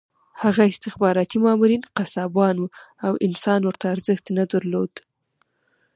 هغه استخباراتي مامورین قصابان وو او انسان ورته ارزښت نه درلود